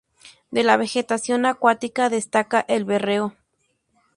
De la vegetación acuática destaca el berro.